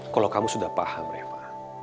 kalau kamu sudah paham eva